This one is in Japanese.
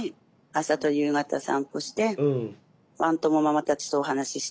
朝と夕方散歩してワン友ママたちとお話しして。